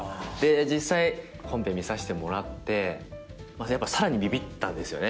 実際本編見させてもらってやっぱさらにビビったんですよね。